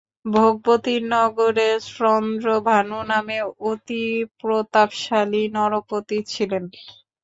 ভোগবতী নগরে চন্দ্রভানু নামে অতি প্রতাপশালী নরপতি ছিলেন।